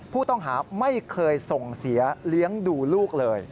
ผู้ต้องหาไม่เคยส่งเสียเลี้ยงดูลูกเลย